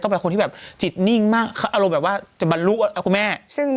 ต้องเป็นคนที่แบบจิตนิ่งมากอารมณ์แบบว่าเดี๋ยวมันรู้นะคุณแม่